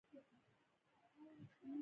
ورلسټ خبر شو چې استازي دربار ته ورغلي.